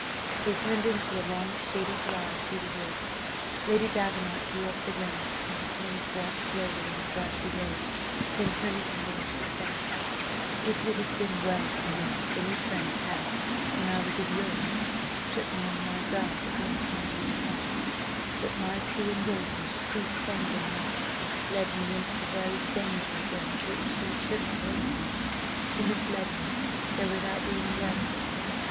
They turned into a long shady drive through the woods. Lady Davenant drew up the reins, and her ponies walked slowly on the grassy road; then, turning to Helen, she said: "It would have been well for me if any friend had, when I was of your age, put me on my guard against my own heart: but my too indulgent, too sanguine mother, led me into the very danger against which she should have warned me she misled me, though without being aware of it.